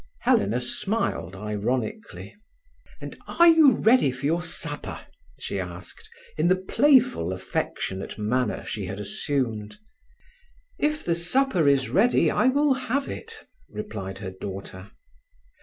Helena smiled ironically. "And are you ready for your supper?" she asked, in the playful, affectionate manner she had assumed. "If the supper is ready I will have it," replied her daughter.